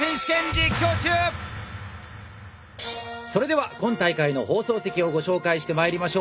それでは今大会の放送席をご紹介してまいりましょう。